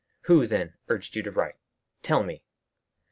"Who, then, urged you to write? Tell me."